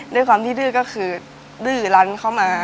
ด้วยความที่ดื้อก็คือดื้อรันเข้ามา